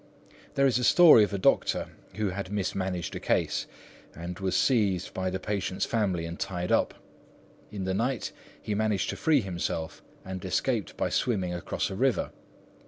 There is a story of a doctor who had mismanaged a case, and was seized by the patient's family and tied up. In the night he managed to free himself, and escaped by swimming across a river.